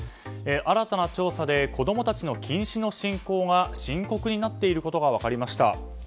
新たな調査で子供たちの近視の進行が深刻になっていることが分かりました。